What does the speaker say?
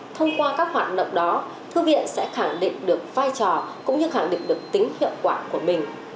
thông qua các hoạt động đó thư viện sẽ khẳng định được vai trò cũng như khẳng định được tính hiệu quả của mình